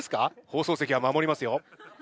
放送席は守りますよ。